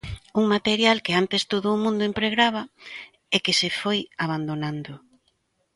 Un material que antes todo o mundo empregaba e que se foi abandonando.